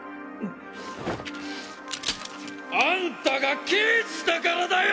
あんたが刑事だからだよ！